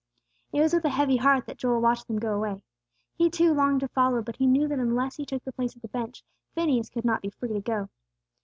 It was with a heavy heart that Joel watched them go away. He, too, longed to follow; but he knew that unless he took the place at the bench, Phineas could not be free to go.